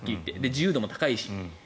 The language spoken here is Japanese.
自由度も高いし。